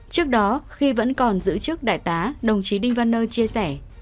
trước đó khi vẫn còn giữ chức đại tá đồng chí đinh văn nơ chia sẻ